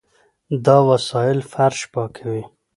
دا وسایل فرش پاکوي.